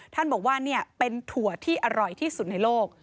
ท่านบอกว่าเป็นถั่วที่อร่อยที่สุดในโลก